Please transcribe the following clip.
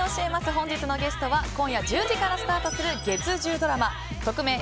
本日のゲストは今夜１０時からスタートする月１０ドラマ「トクメイ！